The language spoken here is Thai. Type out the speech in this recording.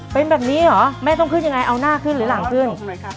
เป็นแบบนี้เหรอแม่ต้องขึ้นยังไงเอาหน้าขึ้นหรือหลังขึ้น